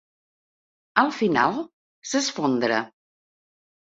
Al final s'esfondra.